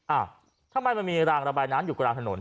อ่ะทำไมมันมีรางระบายน้ำอยู่กลางถนน